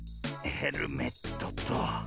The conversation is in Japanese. ヘルメットと。